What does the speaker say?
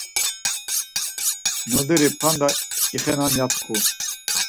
Noderi p̌anda ixenen ya tku.